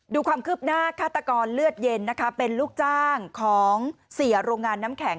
ดูความคืบหน้าฆาตกรเลือดเย็นนะคะเป็นลูกจ้างของเสียโรงงานน้ำแข็ง